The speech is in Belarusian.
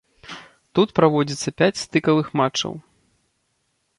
Тут праводзіцца пяць стыкавых матчаў.